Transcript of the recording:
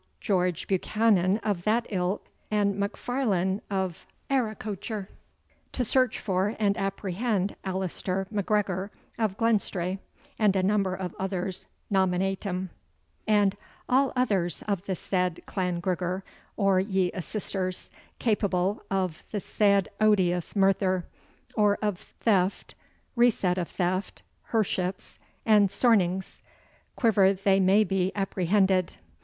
Geo. Buchanan of that Ilk, and And. M'Farlane of Ariquocher, to search for and apprehend Alaster M'Grigor of Glenstre (and a number of others nominatim), "and all others of the said Clangrigor, or ye assistars, culpable of the said odious murther, or of thift, reset of thift, herships, and sornings, qrever they may be apprehended.